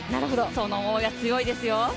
その思いは強いですよ。